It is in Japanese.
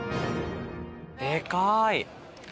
でかい。